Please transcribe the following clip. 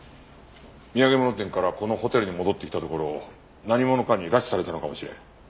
土産物店からこのホテルに戻ってきたところを何者かに拉致されたのかもしれん。